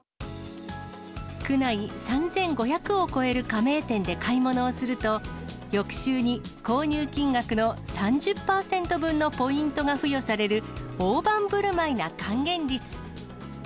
区内３５００を超える加盟店で買い物をすると、翌週に購入金額の３０％分のポイントが付与される大盤ぶるまいな還元率。